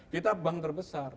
kita bank terbesar